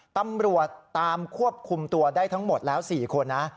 ตำรวจตามควบคุมตัวได้ทั้งหมดแล้ว๔คนนะ